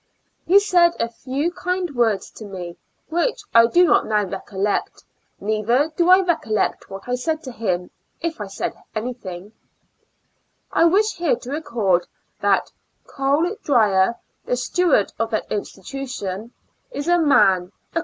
He said a few kind words to me, which I do not now recollect, neither do I recollect what I said to him, if I said an^^thing, I wish here to record, that Col. Drier, the steward of that institution, is a man^ a.